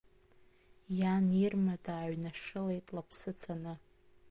Иан Ирма дааҩнашылеит, лыԥсы цаны.